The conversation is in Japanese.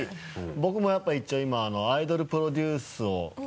僕もやっぱ一応今アイドルプロデュースを。